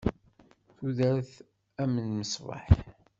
Tudert am lmesbeḥ.